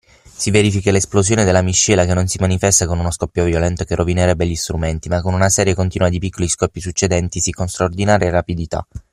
si verifica la esplosione della miscela che non si manifesta con uno scoppio violento che rovinerebbe gli strumenti, ma con una serie continua di piccoli scoppi succedentisi con straordinaria rapidità